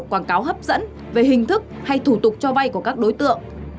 quảng cáo hấp dẫn về hình thức hay thủ tục cho vay của các đối tượng